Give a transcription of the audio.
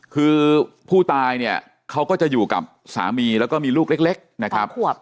คือผู้ตายเนี่ยเขาก็จะอยู่กับสามีแล้วก็มีลูกเล็กนะครับ